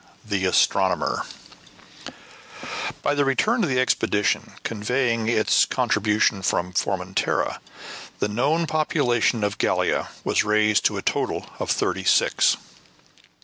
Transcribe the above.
THE ASTRONOMER By the return of the expedition, conveying its contribution from Formentera, the known population of Gallia was raised to a total of thirty six.